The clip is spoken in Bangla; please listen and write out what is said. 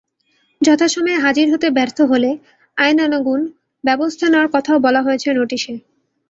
যথাসময়ে হাজির হতে ব্যর্থ হলে আইনানুগ ব্যবস্থা নেওয়ার কথাও বলা হয়েছে নোটিশে।